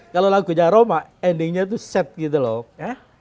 kalau lagunya roma endingnya itu set gitu loh ya